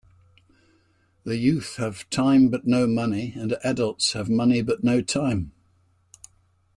The youth have time but no money and adults have money but no time.